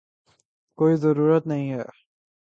کوئی ضرورت نہیں ہے